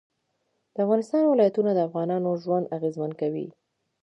د افغانستان ولايتونه د افغانانو ژوند اغېزمن کوي.